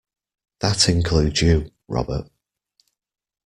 That includes you, Robert.